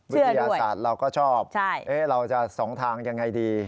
วิทยาศาสตร์เราก็ชอบเราจะสองทางยังไงดี